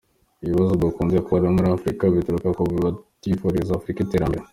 “Ibibazo dukunze kubona muri Afurika buturuka ku batifuriza Afurika iterambere.